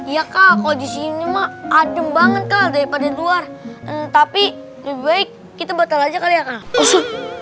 iya kak kondisi cuma adem banget kali daripada luar tapi lebih baik kita betul aja kalian